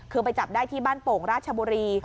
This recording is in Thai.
คือไปจับได้ที่บ้านโป่งราชบุรี